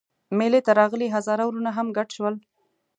مېلې ته راغلي هزاره وروڼه هم ګډ شول.